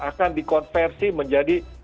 akan dikonversi menjadi